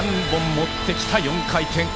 ３本持ってきた４回転。